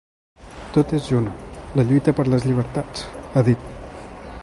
Tot és junt: la lluita per les llibertats, ha dit.